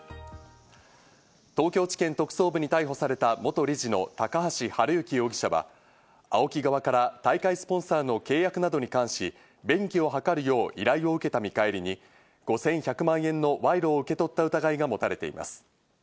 東京地検特捜部に逮捕された元理事の高橋治之容疑者は、ＡＯＫＩ側から大会スポンサーの契約等に関し、便宜を図るよう依頼を受けた見返りに、５１００万円の賄賂を受け取った疑いが持たれています。